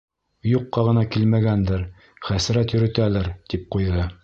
Юҡҡа ғына килмәгәндер, хәсрәт йөрөтәлер, тип ҡуйҙы.